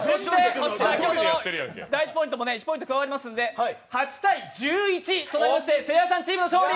先ほどの１ポイントも加わりますので８−１１となりましてせいやさんチームの勝利！